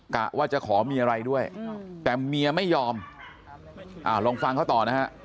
กะว่าจะขอเมียอะไรด้วยแต่เมียไม่ยอมลองฟังเขาต่อนะฮะ